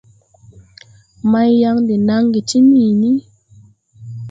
Maiyaŋ de naŋge ti niini.